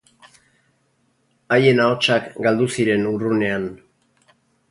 Haien ahotsak galdu ziren urrunean.